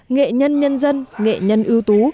nghệ nhân nhân dân nghệ nhân ưu tú